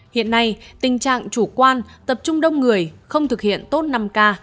hiện nay tình trạng chủ quan tập trung đông người không thực hiện tốt năm k